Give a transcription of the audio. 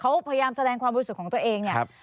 เขาพยายามแสดงความรู้สึกของตัวเองเนี่ย